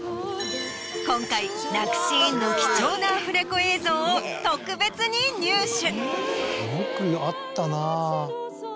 今回泣くシーンの貴重なアフレコ映像を特別に入手。